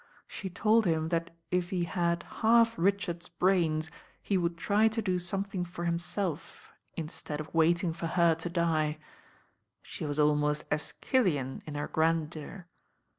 She told him that if he had half Richard's brains, he would try to do something for himself instead of waiting for her to die. She was almost iEschylean in her grandeur.